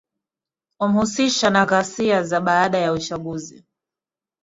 omhusisha na ghasia za baada ya uchaguzi